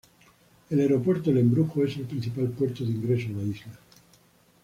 El Aeropuerto El Embrujo es el principal puerto de ingreso a la isla.